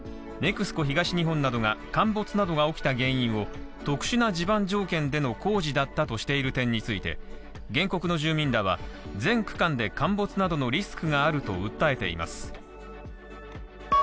ＮＥＸＣＯ東日本は陥没などが起きた原因を特殊な地盤条件での工事だったとしている点について、原告の住民らは、全区間で陥没などのリスクがあると訴えています。